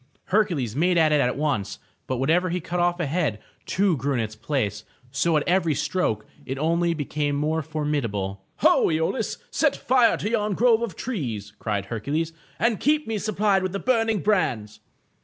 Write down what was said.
Hercules made at it at once, but whenever he cut off a head, two grew in its place, so at every stroke it only became more formidable. Ho, lolaus, set fire to yon grove of young trees," cried Her cules, "and keep me supplied with the burning brands.